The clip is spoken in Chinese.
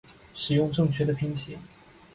使用正确的拼写